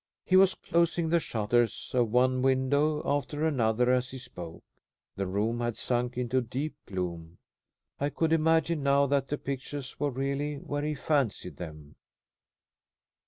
He was closing the shutters of one window after another as he spoke. The room had sunk into deep gloom. I could imagine now that the pictures were really where he fancied them.